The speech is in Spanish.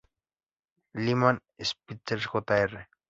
Lyman Spitzer Jr.